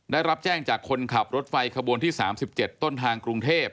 ได้รับแจ้งจากคนขับรถไฟขบวนที่๓๗ต้นทางกรุงเทพ